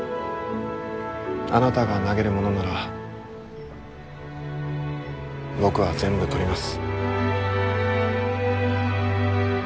あなたが投げるものなら僕は全部取ります。